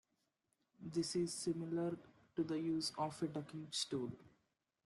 This is similar to the use of a ducking stool.